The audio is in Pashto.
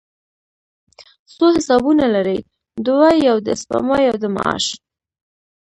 څو حسابونه لرئ؟ دوه، یو د سپما، یو د معاش